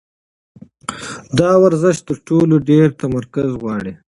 دا ورزش تر ټولو ډېر تمرکز غواړي.